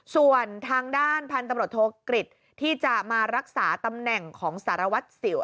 ส่วนทางด้านพันธุ์ตำรวจโทกฤษที่จะมารักษาตำแหน่งของสารวัตรสิว